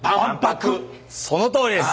そのとおりです！